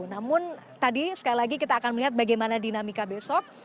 namun tadi sekali lagi kita akan melihat bagaimana dinamika besok